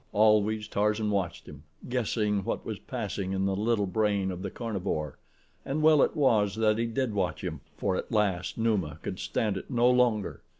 Always Tarzan watched him, guessing what was passing in the little brain of the carnivore and well it was that he did watch him, for at last Numa could stand it no longer.